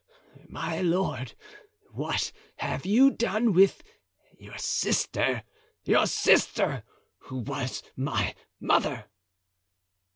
My lord, what have you done with your sister—your sister, who was my mother?"